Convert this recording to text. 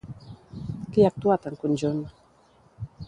Qui ha actuat en conjunt?